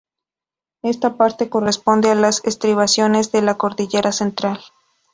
Esta parte corresponde a las estribaciones de la cordillera central.